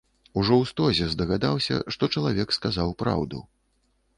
Ужо ў стозе здагадаўся, што чалавек сказаў праўду.